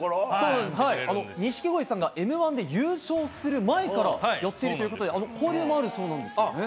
錦鯉さんがＭー１で優勝する前からやっているということで、交流もあるそうなんですよね。